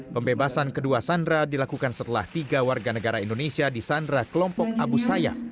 pembebasan kedua sandera dilakukan setelah tiga warga negara indonesia di sandra kelompok abu sayyaf